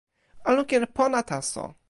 o lukin e pona taso.